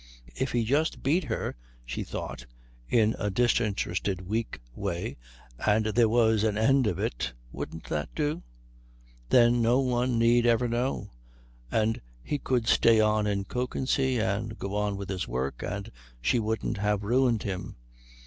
If he just beat her, she thought, in a disinterested weak way, and there was an end of it, wouldn't that do? Then no one need ever know, and he could stay on in Kökensee and go on with his work, and she wouldn't have ruined him.